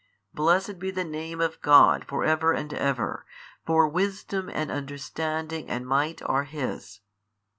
Blessed be the name of God for ever and ever, for wisdom and understanding and might are His.